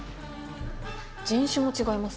人種も違います。